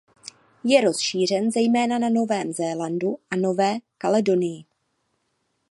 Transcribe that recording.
Je rozšířen zejména na Novém Zélandu a Nové Kaledonii.